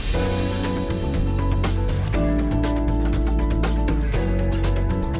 harus kita hitung